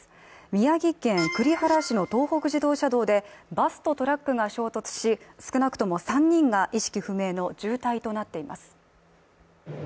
宮城県栗原市の東北自動車道でバスとトラックが衝突し少なくとも３人が意識不明の重体となっています。